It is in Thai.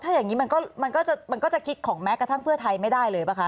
ถ้าอย่างนี้มันก็จะคิดของแม้กระทั่งเพื่อไทยไม่ได้เลยป่ะค